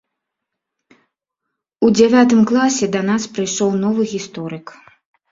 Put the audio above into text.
У дзявятым класе да нас прыйшоў новы гісторык.